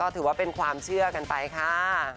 ถือว่าเป็นความเชื่อกันไปค่ะ